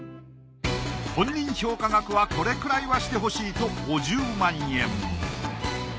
本人評価額はこれくらいはしてほしいと５０万円。